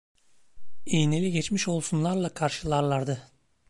İğneli geçmiş olsunlarla karşılarlardı.